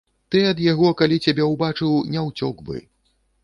Ты ад яго, калі цябе ўбачыў, не ўцёк бы.